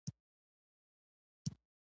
د حملې وخت نه دی.